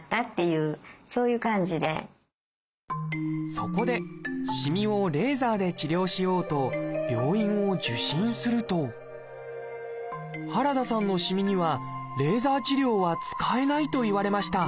そこでしみをレーザーで治療しようと病院を受診すると原田さんのしみにはレーザー治療は使えないと言われました。